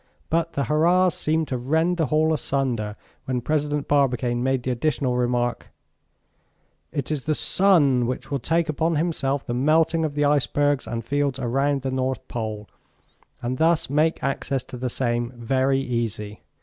But the hurrahs seemed to rend the hall asunder, when President Barbicane made the additional remark: "It is the sun which will take upon himself the melting of the icebergs and fields around the North Pole, and thus make access to the same very easy.